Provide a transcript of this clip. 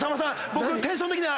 僕テンション的には。